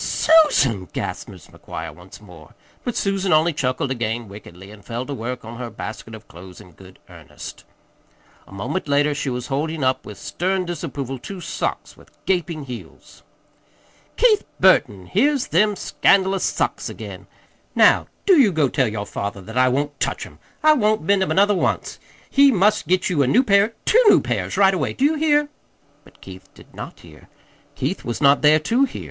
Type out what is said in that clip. "Susan!" gasped Mrs. McGuire once more; but Susan only chuckled again wickedly, and fell to work on her basket of clothes in good earnest. A moment later she was holding up with stern disapproval two socks with gaping heels. "Keith Burton, here's them scandalous socks again! Now, do you go tell your father that I won't touch 'em. I won't mend 'em another once. He must get you a new pair two new pairs, right away. Do you hear?" But Keith did not hear. Keith was not there to hear.